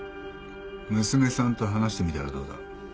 娘さんと話してみたらどうだ？